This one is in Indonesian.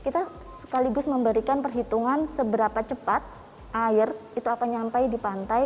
kita sekaligus memberikan perhitungan seberapa cepat air itu akan nyampai di pantai